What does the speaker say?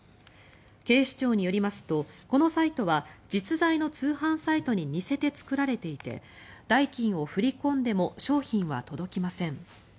警視庁によりますとこのサイトは実在の通販サイトに似せて作られていて代金を振り込んでも商品は届きません。